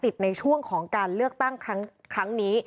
ในช่วงของการเลือกตั้งครั้งนี้